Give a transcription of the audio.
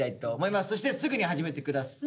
そしてすぐに始めて下さい。